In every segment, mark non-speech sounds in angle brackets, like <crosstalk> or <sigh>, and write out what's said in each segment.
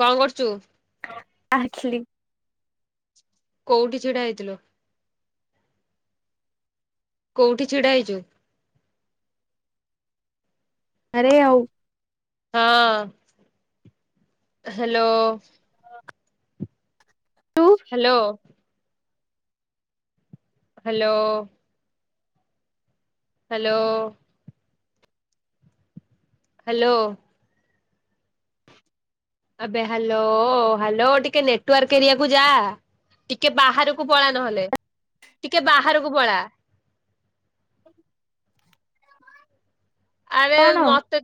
କ କରୁଚୁ? ଆଖିଲି। କୋଉଠି ଛିଡା ହେଇଥିଲୁ? କୋଉଠି ଛିଡା ହେଇଛୁ? ବାଆରେ ଆଉ ହଁ ହାଲୋ। ତୁ ହାଲୋ। ହାଲୋ। ହାଲୋ। ହାଲୋ। ଆବେ ହାଲୋ ହାଲୋ ଟିକେ ନେଟୱାର୍କ ଏରିଆକୁ ଯା ଟିକେ ବାହାରକୁ ପଳା ନହେଲେ ଟିକେ ବାହାରକୁ ପଳା। ଆରେ କଣ ମତେ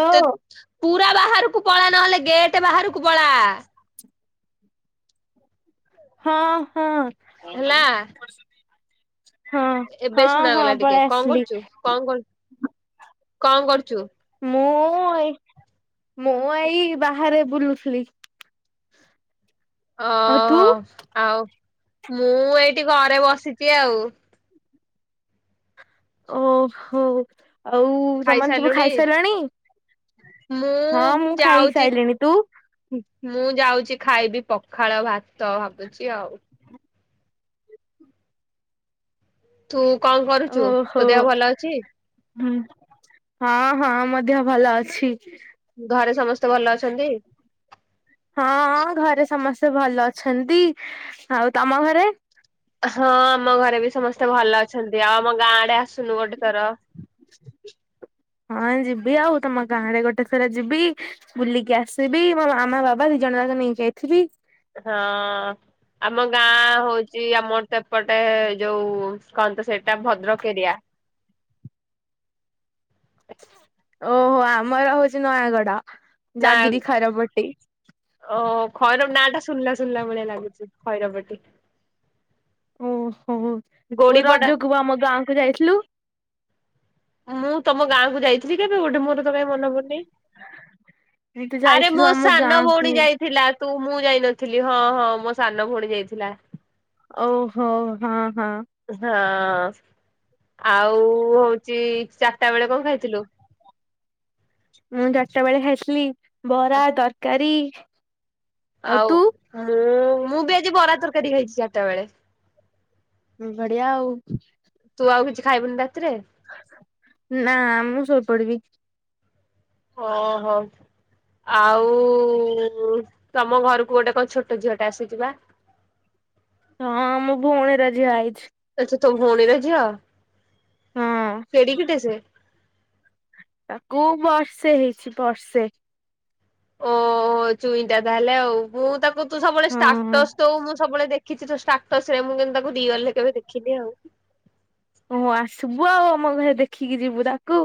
ଓ ତ୍ ପୁରା ବାହାରକୁ ପଳା ନହେଲେ ଗେଟ୍ ବାହାରକୁ ପଳା। ହଁ ହଁ। ହେଲା ହଁ ଏବେ ହଁ ହଁ ଶୁଣାଗଲା ଟିକେ ପଳେଇ କଣ ଆସିଲି କରୁଛୁ କଣ କର କଣ କରୁଛୁ? ମୁଁ ଏ ମୁଁ ଏଇ ବାହାରେ ବୁଲୁଥିଲି। ଓ ଆଉ ତୁ ହ ଆଉ ମୁଁ ଏଇଠି ଘରେ ବସିଛି ଆଉ ଓ ହୋ ଆଉ ତମ ମାନେ ସବୁ ଖାଇସାରିଲୁଣି ଖାଇସାରିଲଣି? ମୁଁ ହଁ ମୁଁ ଖାଇ ଖାଇ ଯାଉଛି ସାଇଲିଣି ତୁ? ମୁଁ ଯାଉଛି ଖାଇବି ପଖାଳ ଭାତ ଭାବୁଛି ଆଉ ତୁ କଣ କରୁଛୁ ଓହୋ ତୋ ଦେହ ଭଲ ଅଛି? ହୁଁ ହଁ ହଁ ମୋ ଦେହ ଭଲ ଅଛି। ଘରେ ସମସ୍ତେ ଭଲ ଅଛନ୍ତି। ହଁ ହଁ ଘରେ ସମସ୍ତେ ଭଲ ଅଛନ୍ତି ଆଉ ତମ ଘରେ? ହଁ ଆମ ଘରେ ବି ସମସ୍ତେ ଭଲ ଅଛନ୍ତି ଆଉ ଆମ ଗାଁଡେ ଆସୁନୁ ଗୋଟେ ଥର? ହଁ ଯିବି ଆଉ ତମ ଗାଁରେ ଗୋଟେ ଥର ଯିବି। ବୁଲିକି ଆସିବି ମୋ ମାମା ବାବା ଦି ଜଣ ଯାକ ନେଇକି ଯାଇଥିବି। ହଁ। ଆମ ଗାଁ ହଉଛି ଆମର ତ ଏପଟେ ଯୋଉ କଣତ ସେଇଟା ଭଦ୍ରକ ଏରିଆ। ଓହୋ ଆମର ହଉଛି ନୟାଗଡ ନା ଜାଗିରି ଖର ପଟି। ଓ ଖୈରବ ନାଁ ଟା ଶୁଣିଲା ଶୁଣିଲା ଭଳିଆ ଲାଗୁଛି ଖୈରବ ପଟି। ଓହୋ ତୁ ଗୋଡିପଡା ରଜକୁ ବା ଆମ ଗାଁକୁୁ ଯାଇଥିଲୁ। ମୁଁ ତମ ଗାଁ କୁ ଯାଇଥିଲି କେବେ ଗୋଟେ ମୋର ର ତ କାଇଁ ମନେ ପଡ଼ୁନି ତୁ ଆରେ ଯାଇଥିଲୁ ମୋ ଆମ ସାନ ଗାଁକୁ ଭଉଣୀ ଯାଇ ଥିଲା ତୁ ମୁଁ ଯାଇନଥିଲି ହଁ ହଁ ମୋ ସାନ ଭଉଣୀ ଯାଇଥିଲା। ଓହୋ ହଁ ହଁ। ହଁ ଆଉ ହଉଛି ଚାରଟା ବେଳେ କଣ ଖାଇଥିଲୁ? ମୁଁ ଚାରିଟା ବେଳେ ଖାଇଥିଲି ବରା ତରକାରୀ। ଆଉ ମୁଁ ମୁଁ ବି ଆଜି ବରା ତରକାରୀ ଖାଇଛି ଚାରିଟାବେଳେ। ବଢିଆ ଆଉ ତୁ ଆଉ କିଛି ଖାଇବୁନି ରାତିରେ? ନା ମୁଁ ଶୋଇ ପଡିବି। ଓହୋ। ଆଉ ତମ ଘରକୁ ଗୋଟେ କଣ ଛୋଟ ଝିଅ ଟା ଆସିଛି ବା। ହଁ ଆମ ଭଉଣୀର ଝିଅ ଆଇଛି। ଆଛା ତୋ ଭଉଣୀର ଝିଅ ହଁ। କେଡିି କି ଟେ ସେ? ତାକୁ ବର୍ଷେ ହେଇଛି ବର୍ଷେ। ଓହୋ ଚୁଇଁଟା ତାହେଲେ ଆଉ ମୁଁ ତାକୁ ତୁ ସବୁବେଳେ ହଁ ହଁ ସ୍ଟାଟସ୍ ଦଉ ମୁଁ ସବୁବେଳେ ଦେ କିଛି ତ ଷ୍ଟାକ୍ଟସରେ ମୁଁ କିନ୍ତୁ ତାକୁ ରିଅଲରେ କେବେ ଦେଖିନି ଆଉ ଓ ଆସିବୁ ଆଉ ଆମ ଘରେ ଦେଖିକି ଯିବୁ ତାକୁ।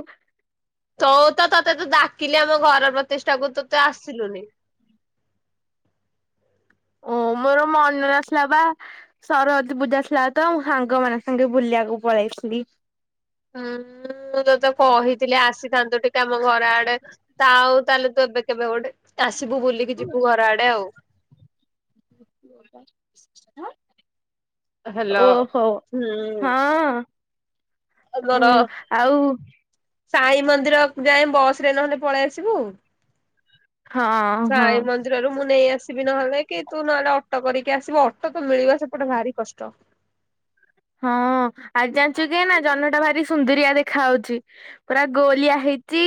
ତଉ ତ ତୋତେ ତ ଡାକିଲି ଆମ ଘର ପ୍ରତିଷ୍ଠା କୁ ତୁ ତ ଆସିଲୁନି। ଓ ମୋର ମନେ ନଥିଲା ପା। ସରବତୀ ପୂଜା ଥିଲା ତ ମୁଁ ସାଙ୍ଗ ମାନ ସାଙ୍ଗେ ବୁଲିବାକୁ ପଳେଇଥିଲି। ହୁଁ ମୁଁ ତୋତେ କହିଥିଲି ଆସିଥାନ୍ତୁ ଟିକେ ଆମ ଘର ଆଡେ ତା ଆଉ ତାହେଲେ ତୁ ଏବେ କେବେ ଗୋଟେ ଆସିବୁ ବୁଲିକି ଯିବୁ ଘର ଆଡେ ଆଉ। ହାଲୋ। ଓହୋ ହୁଁ ହଁ। ଆମର ଉଁ ଆଉ ସାଇ ମନ୍ଦିର ଯାଏଁ ବସ ରେ ନହେଲେ ପଳେଇ ଆସିବୁ। ହଁ ହଁ ସାଇ ମନ୍ଦିରରୁ ମୁଁ ନେଇ ଆସିବି ନହେଲେ କି ତୁ ନହେଲେ ଅଟୋ କରିକି ଆସିବୁ ଅଟୋ ତ ମିଳିବା ସେପଟେ ଭାରି କଷ୍ଟ। ହଁ ଆଜି ଜାଣିଛୁ କି ନା ଜହ୍ନଟା ଭାରି ସୁନ୍ଦରିଆ ଦେଖା ହଉଛି। ପୁରା ଗୋଲିଆ ହେଇଚି,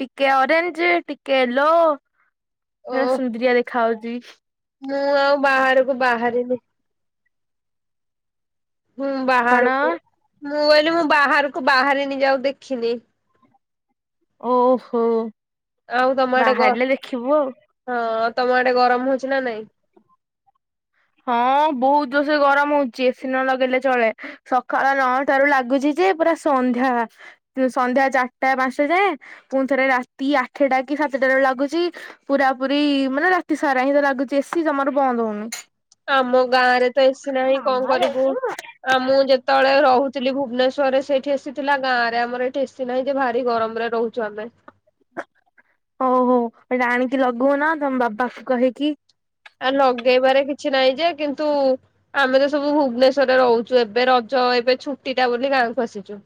ଟିକେ ଅରେଞ୍ଜ ଟିକେ ୟେଲୋ। ଓ ପୁରା ସୁନ୍ଦରିଆ ଦେଖା ହଉଛି। ମୁଁ ଆଉ ବାହାରକୁ ବାହାରିନି। ହଁ କଣ ବାହାରକୁ ମୁଁ କହିଲି ମୁଁ ବାହାରକୁ ବାହାରି ନି ଯାଉ ଦେଖିନି। ଓହୋ ଆଉ ତମ ଆଡେ ଗ ବାହାରିଲେ ଲେଖିବୁ ଆଉ। ହଁ ତମ ଆଡେ ଗରମ ହଉଛି ନା ନାଇଁ? ହଁ ବହୁତ ଜୋରସେ ଗରମ ହଉଛି ଏସି ନ ଲଗେଇଲେ ଚଳେ, ସକାଳ ନଅଟାରୁ ଲାଗୁଛି ଯେ ପୁରା ସନ୍ଧ୍ୟା। ସନ୍ଧ୍ୟା ଚାରିଟା ପାଞ୍ଚଟା ଯାଏଁ, ପୁଣି ଥରେ ରାତି ଆଠଟା କି ସାତଟା ରେ ଲାଗୁଛି ପୁରା ପୁରୀ ମାନେ ରାତି ସାରା ହିଁ ତ ଲାଗୁଛି ଏସିି ଜମାରୁ ବନ୍ଦ ହଉନି। ଆମ ଗାଁ ରେ ତ ଏସି ନାହିଁ କଣ ମାମା କରିବୁ। ଯାଇଛି ନା। ଆଉ ମୁଁ ଯେତେବେଳେ ରହୁଥିଲି ଭୁବନେଶ୍ୱରରେ ସେଇଠି ଏସି ଥିଲା, ଗାଁରେ ଆମର ଏଠି ଏସି ନାହିଁ ଯେ ଭାରି ଗରମରେ ରହୁଛିି। ଚଲେ। ହୋଉ ହୋଉ ଏଟା ଆଣିକି ଲଗୋଉନ ତମ ବାପା କୁ କହିକି। ଆ ଲଗେଇବାରେ କିଛି ନାହିଁ ଯେ କିନ୍ତୁ ଆମେ ତ ସବୁ ଭୁବନେଶ୍ଵରରେ ରହୁଛୁ, ଏବେ ରଜ ଏବେ ଛୁଟି ଟା ବୋଲି ଗାଁକୁୁ ଆସିଛୁ।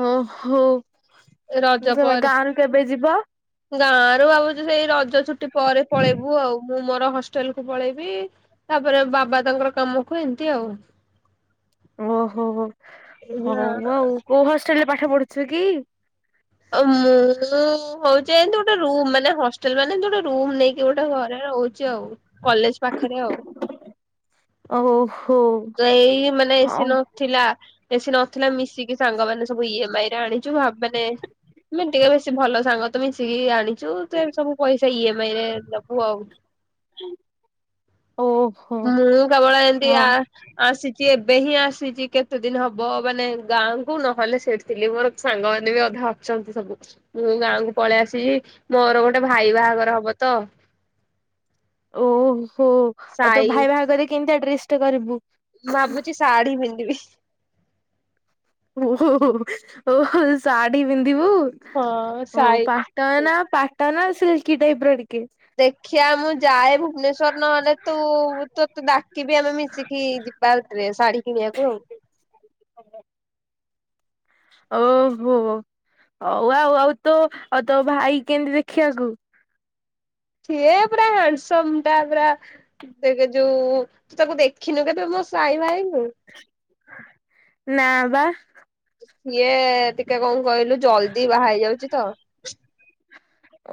ଓ ହୋ। ରଜ ପରେ ଯିବ ଗାଁ ରୁ ଭାବୁଚୁ ସେଇ ରଜ ଛୁଟି ପରେ ପଳେଇବୁ ଆଉ, ମୁଁ ମୋର ହଷ୍ଟେଲ କୁ ପଳେଇବି। ତାପରେ ବାବା ତାଙ୍କର କାମକୁ ଏମତି ଆଉ। ଓହୋ ହଉ ହଁ ଆଉ କୋଉ ହଷ୍ଟେଲ ରେ ପାଠ ପଢୁଛ କି? ମୁଁ ହଉଛି ଏମତି ଗୋଟେ ରୁମ୍ ମାନେ ହଷ୍ଟେଲ ମାନେ ଗୋଟେ ରୁମ୍ ନେଇକି ଗୋଟେ ଘରେ ରହୁ ଚୁ, ଆଉ କଲେଜ ପାଖରେ ଆଉ। ଓ ହୋଉ। ତ ଏଇ ମାନେ ଏସି ନୁ ଥିଲା ଏସି ନଥିଲା ମିଶିକି ସାଙ୍ଗମାନେ ସବୁ ଇ ଏମ ଆଇ ରେ ଆଣିଛୁ ଭାବି ମାନେ ମିଂଟିକା ବେଶୀ ଭଲ ସାଙ୍ଗ ତ ମିଶିକି ଆଣିଛୁ ସେ ସବୁ ପଇସା ଇ ଏମ ଆଇ ରେ ଦବୁ ଆଉ। ଓ। ମୁଁ କେବଳ ଏମତି ଆ ଆସିଛି ଏବେ ହିଁ ଆସିଛି କେତେ ଦିନ ହବ ମାନେ ଗାଁକୁ ନହେଲେ ସେ ଥିଲି ମୋର ସାଙ୍ଗମାନେ ବି ଅଧା ଅଛନ୍ତି ସବୁ, ମୁଁ ଗାଁକୁ ପଳେଇ ଆସିିଚି ମୋର ଗୋଟେ ଗୋଟେ ଭାଇ ବାହାଘର ହବ ତ। ଓହୋ, ଆଉ ତୋ ସାଇ ଭାଇ ବାହାଘର଼଼ରେ କେମିତିଆ ଡ୍ରେସ୍ ଟେ କରିବୁ? ମୁଁ ଭାବୁଛି ଶାଢୀ ପିନ୍ଧିବି। ଓ ହୋ ଓ ହୋ ସାଢି ପିନ୍ଧିିବୁ ହଁ ଓ ସାଇ ପା ତ ନା ପାଟ ନା ସିିଲ୍କି ଟାଇପ ର ଟିକେ। ଦେଖିଆ ମୁଁ ଯାଏ ଭୁବନେଶ୍ଵର ନହେଲେ ତୁ ତୋ ତତେଡା କିବି ଆମେ ମିଶିକି ଯିବା ଆଉ ଥରେ ଶାଢୀ କିଣିଆକୁ ଆଉ। ଓହୋ ହଉ ଆଉ ଆଉ ତୋ ତୋ ଭାଇ କେମିତି ଦେଖିବାକୁ? ସିଏ ପୁରା ହ୍ୟାଣ୍ଡସମ୍ ଟା ପୁରା ତେଵେ ଯୋଉ, ତୁ ତାକୁ ଦେଖିନୁ କେବେ ମୋ ସାଇ ଭାଇଙ୍କୁୁ। <inaudible> ନା ବା। ଇଏ ଟିକେ କଣ କହିଲୁ ଜଲଦି ବାହା ହେଇ ଯାଉଛି ତ।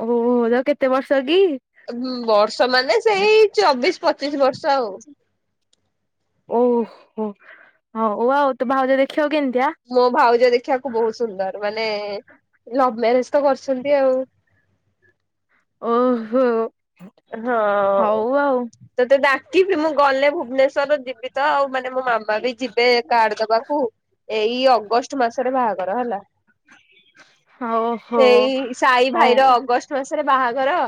ଓହୋ। ତାକୁ କେତେ ବର୍ଷ କି? ବର୍ଷ ମାନେ ସେଇ ଚବିଶ, ପଚିଶ ବର୍ଷ ଆଉ। ଓହୋ! ଓ ଆଉ ଓ ତୋ ଭାଉଜ ଦେଖିବାକୁ କେମିତିଆ? ମୋ ଭାଉଜ ଦେଖିବାକୁ ବହୁତ ସୁନ୍ଦର, ମାନେ ଲଭ ମ୍ୟାରେଜ ତ କରୁଛନ୍ତି ଆଉ। ଓହୋ। ହଁ। ହଉ ଆଉ ତତେ ଡାକିବି ମୁଁ ଗଲେ ଭୁବନେଶ୍ଵର ଯିବି ତ ଆଉ ମାନେ ମୋ ମାମୁଁ ମା ବି ଯିବେ କାର୍ଡ ଦବାକୁ ଏଇ ଅଗଷ୍ଟ ମାସରେ ବାହାଘର ହେଲା। ଓହୋ ଏଇ ସାଇ ହଉ ଭାଇର ଅଗଷ୍ଟ ମାସରେ ବାହାଘର,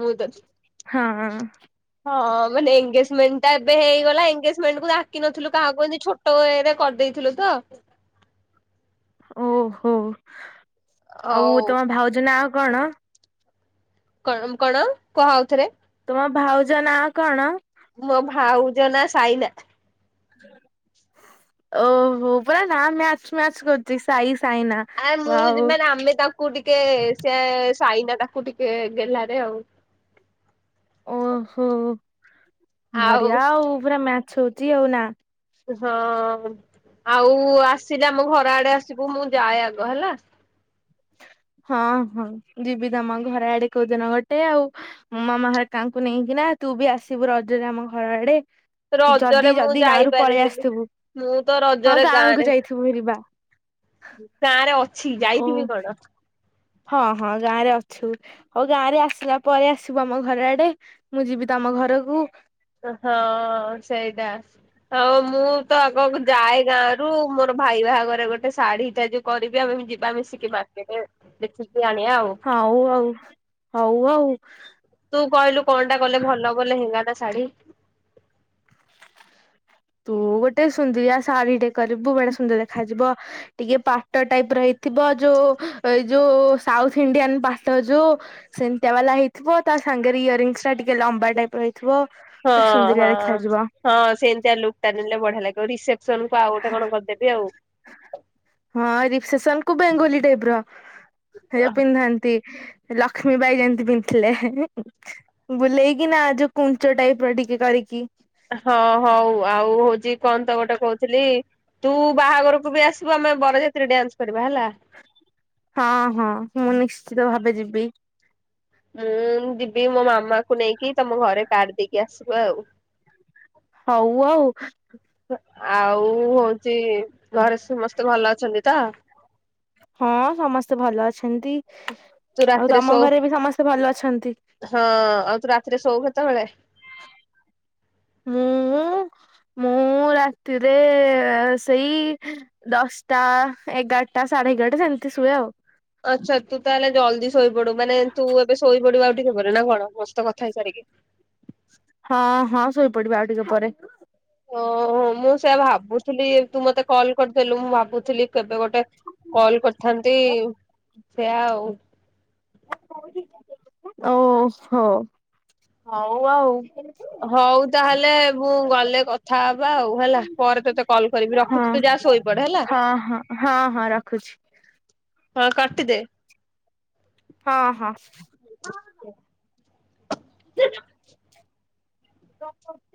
ମୁଁ ତ ହଁ। ହଁ ମାନେ ଏନଗେଜମେଣ୍ଟ ଟା ଏବେ ହେଇଗଲା, ଏନଗେଜମେଣ୍ଟକୁ ଡାକିନଥିଲୁ କାହାକୁ ଏମତି ଛୋଟ୍ ର ଏ ରେ କରିଦେଇଥିଲୁ ତ। ଓହୋ। ଆଉ ତମ ଭାଉଜ ନା କଣ? କଣମ କଣ କୁହ ଆଉଥରେ। ତୁମ ଭାଉଜ ନା କଣ? ମୋ ଭାଉଜ ନା ସାଇନା। ଓହୋ ପୁରରା ନା ମ୍ୟାଚ ମ୍ୟାଚ କରୁଛି ସାଇ ସାଇନା ଆ ମୁଁ ୱାୱ। ମାନେ ଆମେ ତାକୁ ଟିକେ ସେ ସାଇନା ତାକୁ ଟିକେ ଗେଲ୍ହାରେ ଆଉ। ଓହୋ, ବଢିଆ ଆଉ ପୁରା ମ୍ୟାଚ ହଉଚି ଆଉ ନା। ହଁ ଆଉ ଆସିଲେ ଆମ ଘର ଆଡେ ଆସିବୁ ମୁଁ ଯାଏ ଆଗ ହେଲା। ହଁ ହଁ ଯିବି ତମ ଘରେ ଆଡେ କୋଉଦିନ ଗୋଟେ ଆଉ। ମାମା ଘରିକାଙ୍କୁ ନେଇକିନା ତୁ ବି ଆସିବୁ ରଜରେ ଆମ ଘର ଆଡେ। ରଜରେ ଯଦି ମୁଁ ଯଦି ଗାଁ ରୁ ପଳେଇ ଯାଇପାରିବିନି, ଆସିଥିବୁ ମୁଁ ତ ହଁ ରଜରେ ଗାଁକୁ ଗାଁରେ। ଯାଇଥିବୁ ହେରିବା ଗାଁ ରେ ଅଛି, ଓ ଯାଇଥିବି କଣ। ହଁ ହଁ ଗାଁ ରେ ଅଛୁ, ହଉ ଗାଁ ରେ ଆସିଲା ପରେ ଆସିବୁ ଆମ ଘର ଆଡେ। ମୁଁ ଯିବି ତମ ଘରକୁ। ତ ହଁ ସେଇଟା ଆଉ ମୁଁ ତ ଆଗକୁ ଯାଏ ଗାଁ ରୁ, ମୋର ଭାଇ ବାହାଘରେ ଗୋଟେ ଶାଢୀ ଟା ଯୋଉ କରିବି। ଆମେ ଯିବା ମିଶିକି ମାର୍କେଟ ଦେଖିକି ଆଣିଆ ଆଉ। ହଉ ଆଉ। ହଉ ଆଉ। ତୁ କହିଲୁ କଣଟା କଲେ ଭଲ ହବ ଲେହେଙ୍ଗା ନା ଶାଢୀ? ତୁ ଗୋଟେ ସୁନ୍ଦରିଆ ଶାଢୀ ଟେ କରିବୁ ବଡେ ସୁନ୍ଦର ଦେଖାଯିବ। ଟିକେ ପାଟ ଟାଇପ୍ ର ହେଇଥିବ ଯୋଉ ଏ ଯୋଉ ସାଉଥ ଇଣ୍ଡିଆନ୍ ପାଟ ଯୋଉ ସେମିତିଆ ବାଲା ହେଇଥିବ ତା ସାଙ୍ଗେରେ ଇୟରିଙ୍ଗସ ଟା ଟିକେ ଲମ୍ବା ଟାଇପ ର ହେଇ ଥିବ ପୁରା ହଁ ସୁନ୍ଦରଆ ହଁ। ଦେଖାଯିବ। ହଁ ସେମିତିଆ ଲୁକ୍ ଟା ନେଲେ ବଢିଆ ଲାଗିବ। ରିସେପସନକୁ ଆଉ ଗୋଟେ କଣ କରିଦେବି ଆଉ। ହଁ ରିପସେସନକୁ ବେଙ୍ଗୁଲି ଟାଇପ ର। ପିନ୍ଧନ୍ତି ଲକ୍ଷ୍ମୀ ବାଇ ଯେମିତି ପିନ୍ଧିଥିଲେ ହେଁ ହେଁ। ବୁଲେଇକି ନା ଯୋଉ କୁଞ୍ଚ ଟାଇପର ଟିକେ କରିକି ହଁ ହଉ ଆଉ ହଉଛି କଣ ତ ଗୋଟେ କହୁଥିଲି ତୁ ବାହାଘରକୁ ବି ଆସିବୁ ଆମେ ବରଜାତିରେ ଡ୍ୟାନ୍ସ କରିବା ହେଲା। ହଁ ହଁ ମୁଁ ନିଶ୍ଚିତ ଭାବେ ଯିବି। ମୁଁ ଯିବି ମୋ ମାମାକୁ ନେଇକି ତମ ଘରେ କାର୍ଡ ଦେଇକି ଆସିବ ଆଉ। ହଉ ଆଉ ଆଉ ହଉଛି ଘରେ ସୁମସ୍ତେ ଭଲ ଅଛନ୍ତି ତ? ହଁ ସମସ୍ତେ ଭଲ ଅଛନ୍ତି ତୁ ଆଉ ରାତିରେ ତମ ଶୋ ଘରେ ବି ସମସ୍ତେ ଭଲ ଅଛନ୍ତି। ହଁ ଆଉ ତୁ ରାତିରେ ଶୋଉ କେତେବେଳେ? ମୁଁ ମୁଁ ରାତିରେ ସେଇ ଦଶଟା ଏଗାରଟା ସାଢେ ଏଗାରଟା ସେମିତି ଶୁଏ ଆଉ। ଆଛା ତୁ ତାହେଲେ ଜଲ୍ଦି ଶୋଇପଡୁ ମାନେ ତୁ ଏବେ ଶୋଇପଡିବୁ ଆଉ ଟିକେପରେ ନା କଣ ମୋ ସହିତ କଥା ହେଇସାରିକି। ହଁ ହଁ ଶୋଇପଡିବି ଆଉ ଟିକେ ପରେ। ଓହୋ ମୁଁ ସେଇଆ ଭାବୁଥିଲି ତୁ ମତେ କଲ କରିଦେଲୁ ମୁଁ ଭାବୁଥିଲି କେବେ ଗୋଟେ କଲ କରିଥାନ୍ତି ସେୟା ଆଉ। ଓହୋ ହଉ ଆଉ। ହଉ ତାହେଲେ ମୁଁ ଗଲେ କଥା ହବା ଆଉ ହେଲା ପରେ ତୋତେ କଲ କରିବି ରଖୁଚି। ତୁ ଯା ଶୋଇପଡେ ହେଲା। ଅଁ ହଁ ହଁ ହଁ ରଖୁଚି। ହଁ କାଟିଦେ। ହଁ ହଁ। <unintelligible>